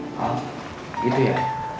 oh gitu ya